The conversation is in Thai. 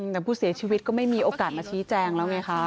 แต่ผู้เสียชีวิตก็ไม่มีโอกาสมาชี้แจงแล้วไงคะ